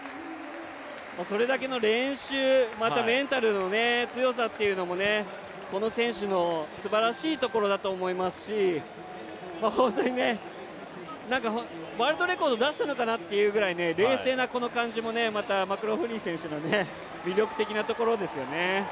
それだけの練習、またメンタルの強さもこの選手のすばらしいところだと思いますし本当にワールドレコード出したのかなっていうぐらいの冷静な感じもまたマクローフリン選手の魅力的なところですよね。